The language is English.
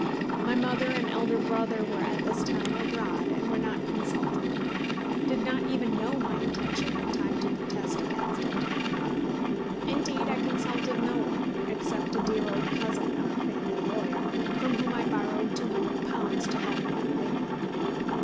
My mother and elder brother were at this time abroad, and were not consulted; did not even know my intention in time to protest against it. Indeed, I consulted no one, except a dear old cousin, our family lawyer, from whom I borrowed £200 to help me out of England.